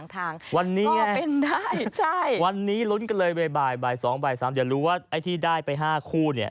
ใบ๒ใบ๓เดี๋ยวรู้ไหมที่ได้ไป๕คู่เนี่ย